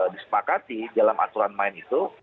disepakati dalam aturan main itu